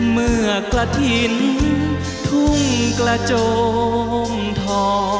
เมื่อกระทินทุ่งกระจงทอง